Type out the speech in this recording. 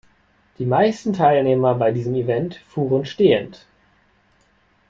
Die meisten Teilnehmer bei diesem Event fuhren stehend.